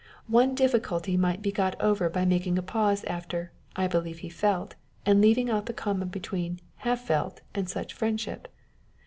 One difficulty might be got over by making a pause after " I believe he felt," and leaving out the comma between " have felt " and " such friendship."